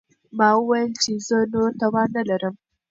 ما وویل چې زه نور توان نه لرم.